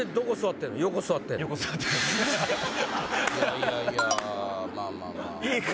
いやいやまあまあ。